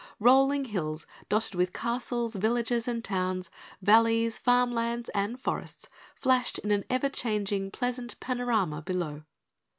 Rolling hills dotted with castles, villages and towns, valleys, farm lands and forests flashed in an ever changing pleasant panorama below.